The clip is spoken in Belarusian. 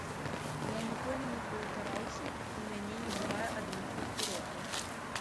Я ніколі не паўтараюся, у мяне не бывае аднолькавых урокаў.